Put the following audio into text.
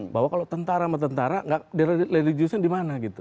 bahwa kalau tentara sama tentara nggak religiusnya di mana gitu